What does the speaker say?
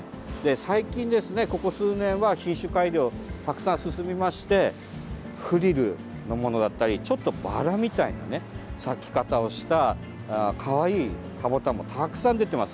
最近、ここ数年は品種改良がたくさん進みましてフリルのものだったりちょっとバラみたいな咲き方をしたかわいい葉ボタンがたくさん出ています。